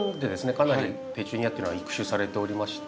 かなりペチュニアっていうのは育種されておりまして。